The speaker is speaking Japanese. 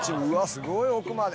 すごい奥まで。